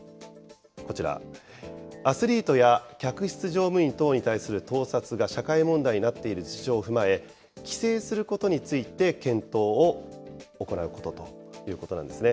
こちら、アスリートや客室乗務員等に対する盗撮が社会問題になっている実情を踏まえ、規制することについて検討を行うことということなんですね。